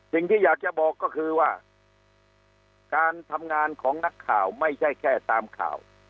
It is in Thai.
สิ่งที่อยากจะบอกก็คือว่าการทำงานของนักข่าวไม่ใช่แค่ตามข่าว